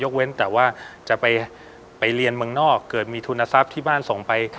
เว้นแต่ว่าจะไปเรียนเมืองนอกเกิดมีทุนทรัพย์ที่บ้านส่งไป